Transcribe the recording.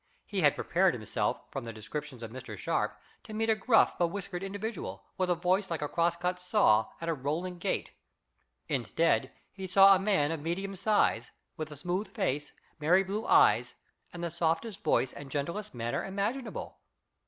He had prepared himself, from the description of Mr. Sharp, to meet a gruff, bewhiskered individual, with a voice like a crosscut saw, and a rolling gait. Instead he saw a man of medium size, with a smooth face, merry blue eyes, and the softest voice and gentlest manner imaginable.